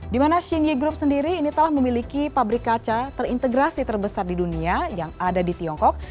di mana xinyi group sendiri ini telah memiliki pabrik kaca terintegrasi terbesar di dunia yang ada di tiongkok